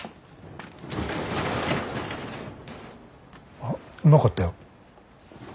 あっうまかったよ。